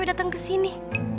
kini datang ke sini